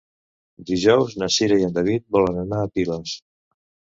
Dijous na Cira i en David volen anar a Piles.